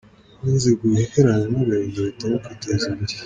Banze guheranwa n’agahinda bahitamo kwiteza imbere